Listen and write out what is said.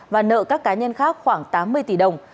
và nợ các cá nhân khác khoảng tám mươi tỷ đồng